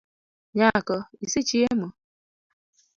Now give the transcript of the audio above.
Nyako, isechiemo?